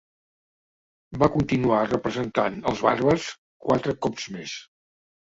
Va continuar representant els Bàrbars quatre cops més.